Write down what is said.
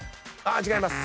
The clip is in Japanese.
違います。